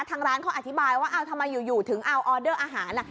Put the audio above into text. ทางร้านเขาอธิบายว่าทำไมอยู่ถึงเอาออเดอร์อาหาร